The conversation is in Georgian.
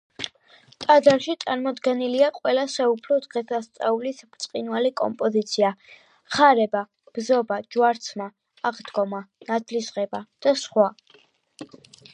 ტაძარში წარმოდგენილია ყველა საუფლო დღესასწაულის ბრწყინვალე კომპოზიცია: ხარება, ბზობა, ჯვარცმა, აღდგომა, ნათლისღება და სხვა.